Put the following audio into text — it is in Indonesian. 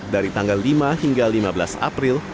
dari tanggal lima hingga lima belas april